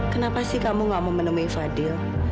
kenapa sih kamu gak mau menemui fadil